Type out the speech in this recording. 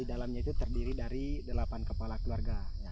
di dalamnya itu terdiri dari delapan kepala keluarga